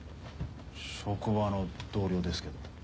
職場の同僚ですけど。